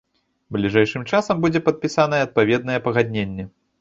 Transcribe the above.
Бліжэйшым часам будзе падпісаная адпаведнае пагадненне.